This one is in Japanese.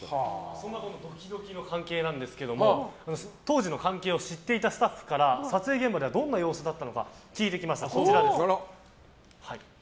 そんなドキドキな関係なんですけど当時の関係を知っていたスタッフから撮影現場ではどんな様子だったのか聞いてきました。